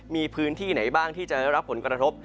มีพื้นที่ไหนบ้างที่จะได้รับผลกระทบ